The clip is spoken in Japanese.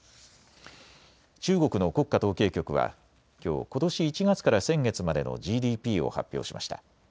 中国の国家統計局はきょう、ことし１月から先月までのＧＤＰを発表しました。